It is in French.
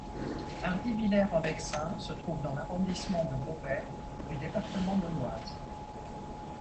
Hardivillers-en-Vexin se trouve dans l'arrondissement de Beauvais du département de l'Oise.